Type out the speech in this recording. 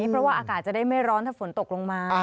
เพราะว่าอากาศจะได้ไม่ร้อนถ้าฝนตกลงมา